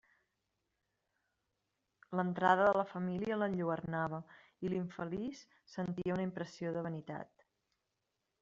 L'entrada de la família l'enlluernava, i l'infeliç sentia una impressió de vanitat.